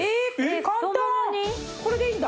これでいいんだ。